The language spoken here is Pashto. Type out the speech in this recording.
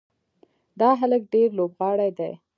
دا هلک ډېر لوبغاړی دی.